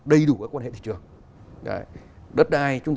đầy đủ các quan hệ thị trường